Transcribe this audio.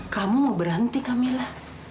kamu mau berhenti kamila